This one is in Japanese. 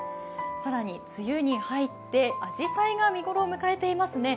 更に梅雨に入ってあじさいが見頃を迎えていますね。